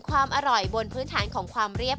ขอบคุณครับ